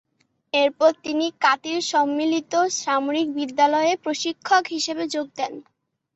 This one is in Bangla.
এরপর তিনি কাতি-র সম্মিলিত সামরিক বিদ্যালয়-এ প্রশিক্ষক হিসেবে যোগ দেন।